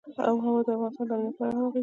هوا د افغانستان د امنیت په اړه هم اغېز لري.